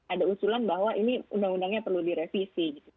ada usulan bahwa ini undang undangnya perlu direvisi